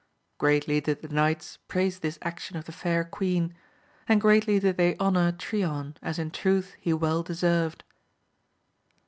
Greatly did the knights praise this action of the fair queen, and greatly did they honour Trion, as in truth he well deserved.